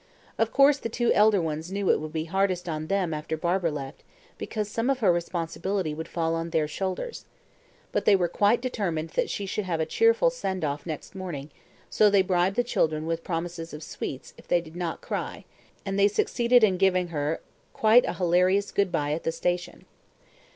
Of course the two elder ones knew it would be hardest on them after Barbara left, because some of her responsibility would fall on their shoulders. But they were quite determined she should have a cheerful "send off" next morning, so they bribed the children with promises of sweets if they did not cry, and they succeeded in giving her quite a hilarious good bye at the station.